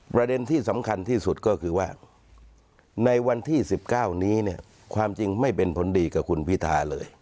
ประเด็นที่สำคัญที่สุดก็คือว่าในวันที่๑๙นี้เนี่ยความจริงไม่เป็นผลดีกับคุณพิทาเลย